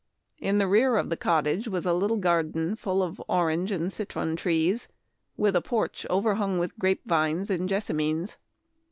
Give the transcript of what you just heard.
In the rear of the cottage was a little garden full of orange and citron trees, with a porch overhung with grape vines and jessamines.